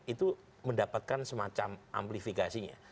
itu mendapatkan semacam amplifikasinya